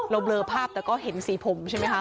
เบลอภาพแต่ก็เห็นสีผมใช่ไหมคะ